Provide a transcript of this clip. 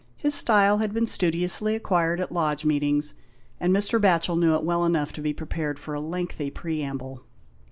His style had been studiously acquired at Lodge meetings, and Mr. Batchel knew it well enough to be prepared for a lengthy preamble.